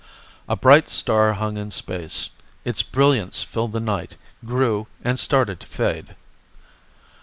A bright star hung in space. Its brilliance filled the night, grew, and started to fade.